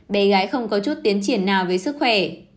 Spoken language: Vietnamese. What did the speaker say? bé gái không có chút tiến triển nào về sức khỏe